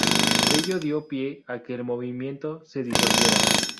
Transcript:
Ello dio pie a que el movimiento se disolviera.